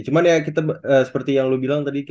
cuman ya kita seperti yang lo bilang tadi